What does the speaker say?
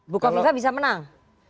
buka kofifa bisa menang